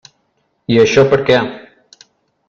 I això, per què?